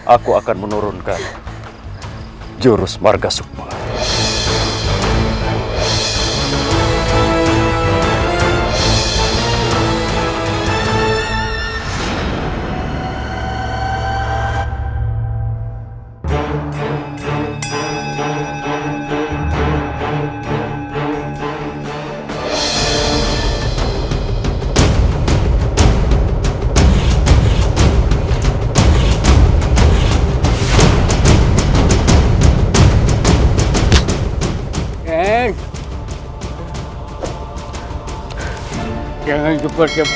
aku akan menurunkan jurus margasukmu